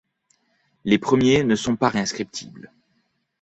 Les premiers ne sont pas réinscriptibles.